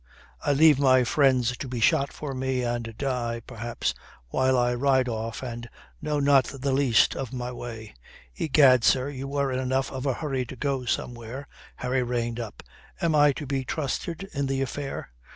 I leave my friends to be shot for me and die, perhaps, while I ride off and know not the least of my way." "Egad, sir, you were in enough of a hurry to go somewhere." Harry reined up. "Am I to be trusted in the affair?"